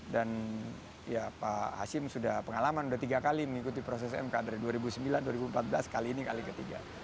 dan ya pak hasim sudah pengalaman sudah tiga kali mengikuti proses mk dari dua ribu sembilan dua ribu empat belas kali ini kali ketiga